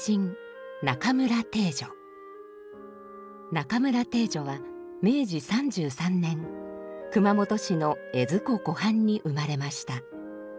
中村汀女は明治３３年熊本市の江津湖湖畔に生まれました。